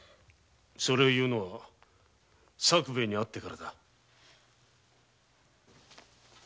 それを言うのは作兵衛に会ってからだ。